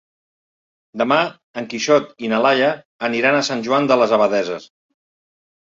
Demà en Quixot i na Laia aniran a Sant Joan de les Abadesses.